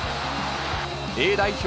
Ａ代表